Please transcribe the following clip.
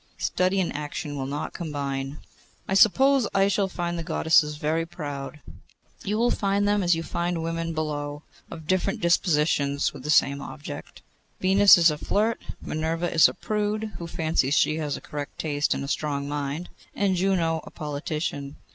Study and action will not combine.' 'I suppose I shall find the Goddesses very proud?' 'You will find them as you find women below, of different dispositions with the same object. Venus is a flirt; Minerva a prude, who fancies she has a correct taste and a strong mind; and Juno a politician.